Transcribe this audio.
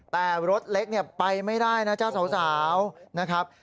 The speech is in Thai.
แต่รถเล็กเนี่ยไปไม่ได้นะเจ้าสาวนะครับ